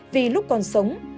vì lúc còn sống